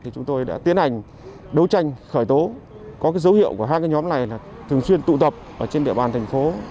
thì chúng tôi đã tiến hành đấu tranh khởi tố có dấu hiệu của hai nhóm này là thường xuyên tụ tập ở trên địa bàn thành phố